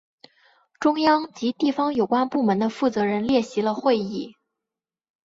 中央及地方有关部门的负责人列席了会议。